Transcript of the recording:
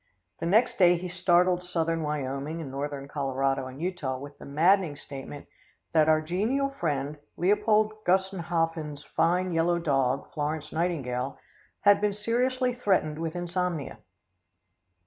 The next day he startled Southern Wyoming and Northern Colorado and Utah with the maddening statement that "our genial friend, Leopold Gussenhoven's fine, yellow dog, Florence Nightingale, had been seriously threatened with insomnia."